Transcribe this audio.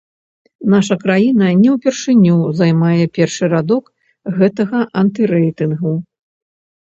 Наша краіна не ўпершыню займае першы радок гэтага антырэйтынгу.